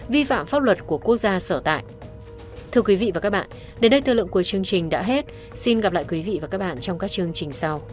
vi phạm pháp luật của quốc gia sở tại